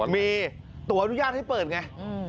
มีตัวอนุญาตให้เปิดไง